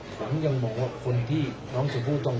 ผมยังบอกว่าคนที่น้องสุภุต้อง